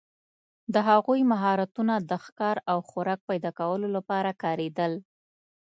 د هغوی مهارتونه د ښکار او خوراک پیداکولو لپاره کارېدل.